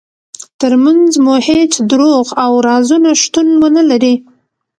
ترمنځ مو هیڅ دروغ او رازونه شتون ونلري.